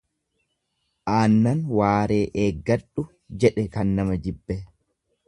Aannan waaree eeggadhu jedhe kan nama jibbe.